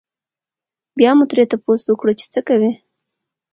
بيا مو ترې تپوس وکړو چې څۀ کوئ؟